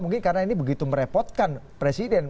mungkin karena ini begitu merepotkan presiden